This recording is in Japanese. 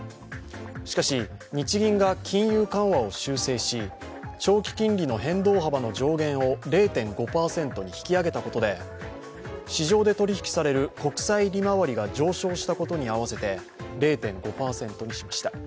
しかし日銀が金融緩和を修正し、長期金利の変動幅の上限を０．５％に引き上げたことで市場で取り引きされる国債利回りが上昇したことに合わせて０．５％にしました。